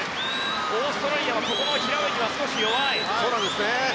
オーストラリアはここの平泳ぎは少し弱い。